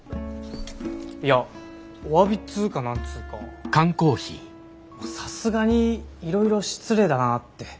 いやおわびっつうか何つうかさすがにいろいろ失礼だなって。